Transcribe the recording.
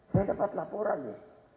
saya dapat laporan ya